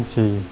à thật không ạ